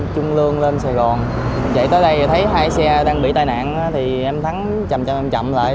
chạy tới đây thấy hai xe đang bị tai nạn thì em thắng chậm chậm chậm lại